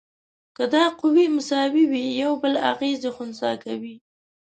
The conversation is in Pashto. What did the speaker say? که دا قوې مساوي وي یو بل اغیزې خنثی کوي.